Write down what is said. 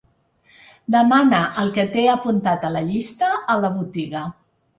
Demana el que t'he apuntat a la llista a la botiga.